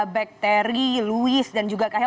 bekteri luis dan juga cahil